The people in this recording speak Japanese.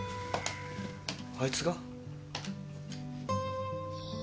あいつが？